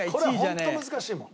これホント難しいもん。